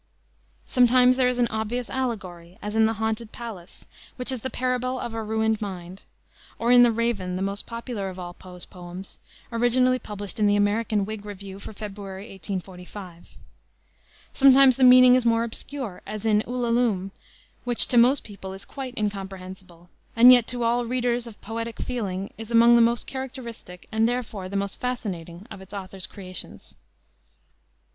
Sometimes there is an obvious allegory, as in the Haunted Palace, which is the parable of a ruined mind, or in the Raven, the most popular of all Poe's poems, originally published in the American Whig Review for February, 1845. Sometimes the meaning is more obscure, as in Ulalume, which, to most people, is quite incomprehensible, and yet to all readers of poetic feeling is among the most characteristic, and, therefore, the most fascinating, of its author's creations.